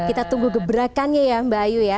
kita tunggu gebrakannya ya mbak ayu ya